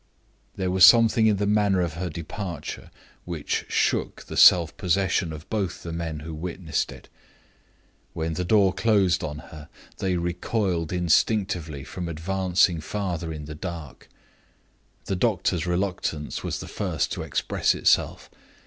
There was something in the manner of her departure which shook the self possession of both the men who witnessed it. When the door closed on her, they recoiled instinctively from advancing further in the dark. The doctor's reluctance was the first to express itself.